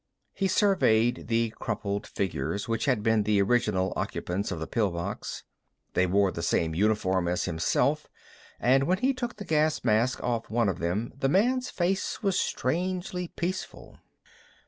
He surveyed the crumpled figures, which had been the original occupants of the pill box. They wore the same uniform as himself and when he took the gas mask off of one of them the man's face was strangely peaceful.